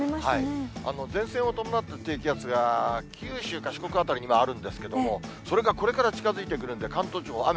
前線を伴った低気圧が九州か四国辺りにあるんですけれども、それがこれから近づいてくるんで、関東地方、雨